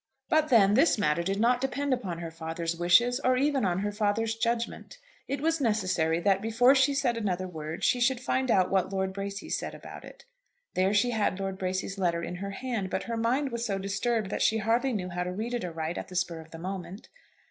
But then this matter did not depend upon her father's wishes, or even on her father's judgment. It was necessary that, before she said another word, she should find out what Lord Bracy said about it. There she had Lord Bracy's letter in her hand, but her mind was so disturbed that she hardly knew how to read it aright at the spur of the moment.